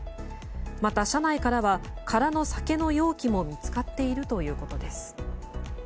また、車内からは空の酒の容器も見つかっているということです。